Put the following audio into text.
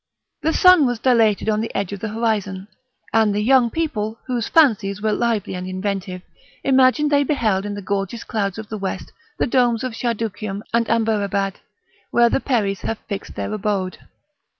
The sun was dilated on the edge of the horizon; and the young people, whose fancies were lively and inventive, imagined they beheld in the gorgeous clouds of the west the domes of Shadukiam and Amberabad, where the Peris have fixed their abode.